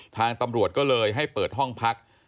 ทางตำรวจก็เลยให้เปิดห้องพัก